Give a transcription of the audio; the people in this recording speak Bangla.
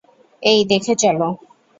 এই, দেখে চলো।